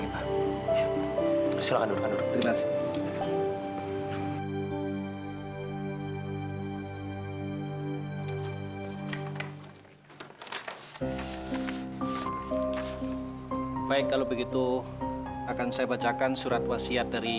ada beberapa teman terhadap eines ini ketika mendaftar